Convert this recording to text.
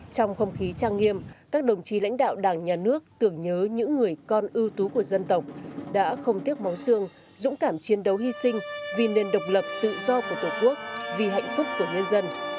trong không khí trang nghiêm các đồng chí lãnh đạo đảng nhà nước tưởng nhớ những người con ưu tú của dân tộc đã không tiếc máu xương dũng cảm chiến đấu hy sinh vì nền độc lập tự do của tổ quốc vì hạnh phúc của nhân dân